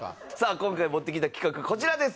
今回持ってきた企画こちらです！